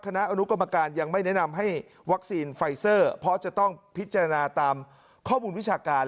คณะอนุกรรมการยังไม่แนะนำให้วัคซีนไฟเซอร์เพราะจะต้องพิจารณาตามข้อมูลวิชาการ